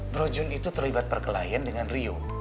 bro jun itu terlibat perkelahian dengan rio